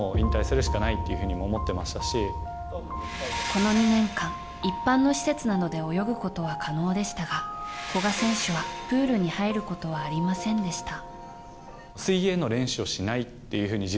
この２年間、一般の施設などで泳ぐことは可能でしたが古賀選手はプールに入ることはありませんでした。